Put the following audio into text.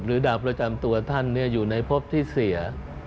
ดาวประจำตัวท่านอยู่ในพบที่เสีย